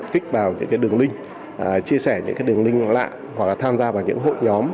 click vào những cái đường link chia sẻ những cái đường link lạ hoặc là tham gia vào những hộp nhóm